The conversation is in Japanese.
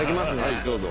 はいどうぞ。